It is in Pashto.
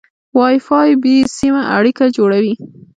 وای فای بې سیمه اړیکه جوړوي.